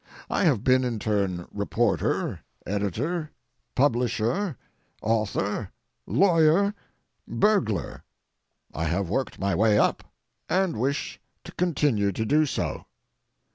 I have been in turn reporter, editor, publisher, author, lawyer, burglar. I have worked my way up, and wish to continue to do so.